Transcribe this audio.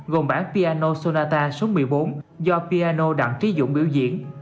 gồm bản piano sonata số một mươi bốn do piano đặng trí dũng biểu diễn